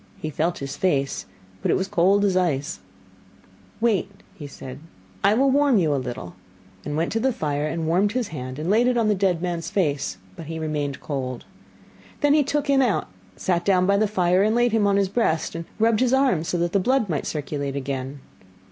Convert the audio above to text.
He felt his face, but it was cold as ice. 'Wait,' said he, 'I will warm you a little,' and went to the fire and warmed his hand and laid it on the dead man's face, but he remained cold. Then he took him out, and sat down by the fire and laid him on his breast and rubbed his arms that the blood might circulate again.